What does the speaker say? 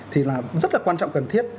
thì là rất là quan trọng cần thiết